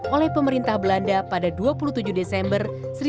oleh pemerintah belanda pada dua puluh tujuh desember seribu sembilan ratus empat puluh